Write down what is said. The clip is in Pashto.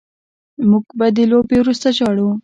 موږ به د لوبې وروسته ژاړو